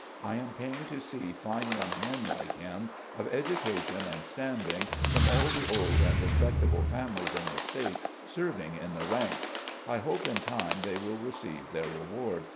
I am pained to see fine yotmg men like him, of education and standing, from all the old and respectable families in the State, serving in the ranks. I hope in time they will receive their reward.